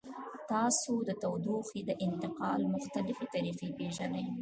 تاسو د تودوخې د انتقال مختلفې طریقې پیژنئ؟